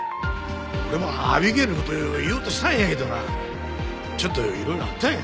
俺もアビゲイルの事言おうとしたんやけどなちょっといろいろあったんや。